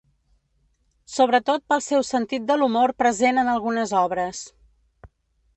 Sobretot pel seu sentit de l'humor present en algunes obres.